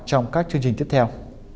trong các chương trình tiếp theo